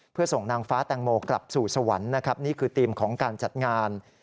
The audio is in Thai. เพื่อส่งนางฟ้าแตงโมกลับสู่สวรรค์นะครับนี่คือธีมของการจัดงาน